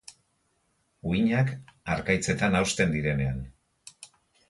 Uhinak harkaitzetan hausten direnean.